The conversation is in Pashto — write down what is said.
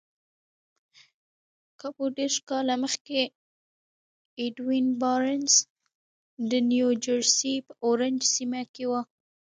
کابو دېرش کاله مخکې ايډوين بارنس د نيوجرسي په اورنج سيمه کې و.